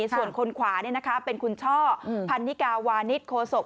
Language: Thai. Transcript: ส่วนคนขวานี่นะคะเป็นคุณช่อพันนิกาวานิทโคโสก